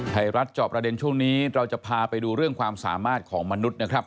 จอบประเด็นช่วงนี้เราจะพาไปดูเรื่องความสามารถของมนุษย์นะครับ